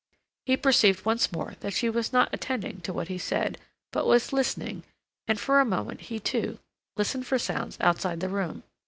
He perceived once more that she was not attending to what he said, but was listening, and for a moment he, too, listened for sounds outside the room.